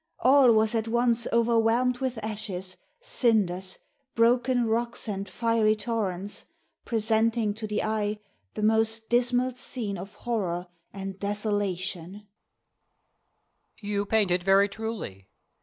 All was at once overwhelmed with ashes, cinders, broken rocks, and fiery torrents, presenting to the eye the most dismal scene of horror and desolation! Pliny the Elder. You paint it very truly.